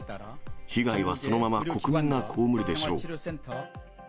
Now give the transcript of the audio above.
被害はそのまま国民が被るでしょう。